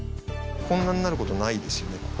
こんなになる事ないですよね